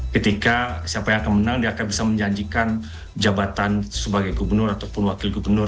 ketika siapa yang akan menang dia akan bisa menjanjikan jabatan sebagai gubernur ataupun wakil gubernur